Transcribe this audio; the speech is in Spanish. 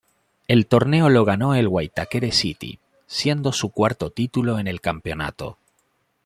El torneo lo ganó el Waitakere City, siendo su cuarto título en el campeonato.